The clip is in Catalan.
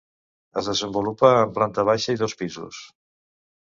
Es desenvolupa en planta baixa i dos pisos.